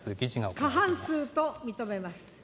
過半数と認めます。